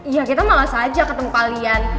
ya kita malas aja ketemu kalian